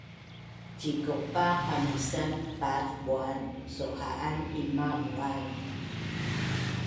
Cikaupa qamisan paat buan sauha’an hima’ buan